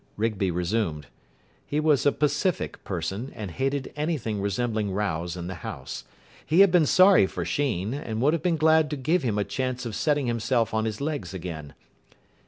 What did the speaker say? Rigby resumed. He was a pacific person, and hated anything resembling rows in the house. He had been sorry for Sheen, and would have been glad to give him a chance of setting himself on his legs again.